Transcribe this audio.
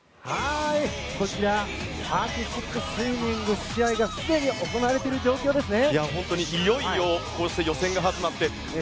こちらアーティスティックスイミングの試合がすでに行われている状況ですね。